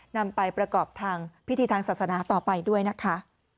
นำไปประกอบทางพิธีทางศาสนาต่อไปด้วยนะคะ